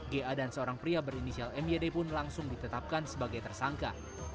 ga dan seorang pria berinisial myd pun langsung ditetapkan sebagai tersangka